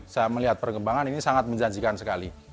saya melihat perkembangan ini sangat menjanjikan sekali